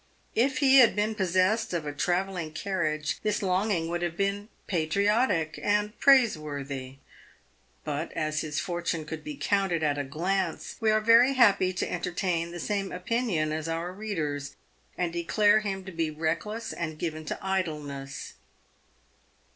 If he had been possessed of a travelling carriage this longing would have been patriotic and praiseworthy. But as his for tune could be counted at a glance, we are very happy to entertain the same opinion as our readers, and declare him to be reckless, and given to idleness.